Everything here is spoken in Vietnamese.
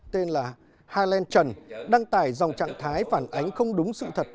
tên là highland trần đăng tải dòng trạng thái phản ánh không đúng sự thật